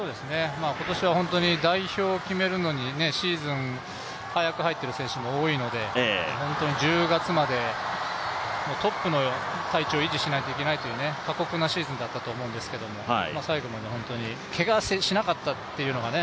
今年は本当に代表を決めるのにシーズン早く入っている選手も多いので本当に１０月までトップの体調を維持しないといけないという過酷なシーズンだったと思うんですけど最後まで本当にけがしなかったというのがね。